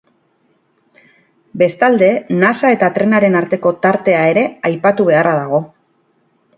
Bestalde, nasa eta trenaren arteko tartea ere aipatu beharra dago.